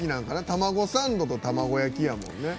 タマゴサンドと卵焼きやもんね。